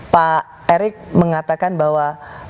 pak erick mengatakan bahwa